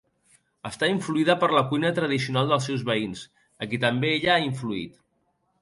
Està influïda per la cuina tradicional dels seus veïns, a qui també ella ha influït.